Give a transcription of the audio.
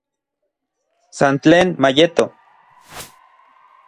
San tlen mayeto